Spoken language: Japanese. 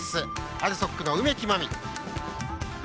ＡＬＳＯＫの梅木真美。